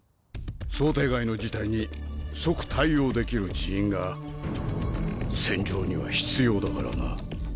想定外の事態に即対応できる人員が戦場には必要だからな。